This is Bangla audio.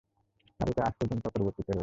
আর এটা আজ পর্যন্ত অপরিবর্তিত রয়েছে।